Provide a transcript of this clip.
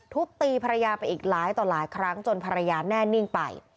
ทุบตีภรรยาไปอีกหลายต่อหลายครั้งจนภรรยาแน่นิ่งไป